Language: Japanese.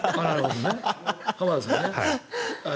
浜田さんね。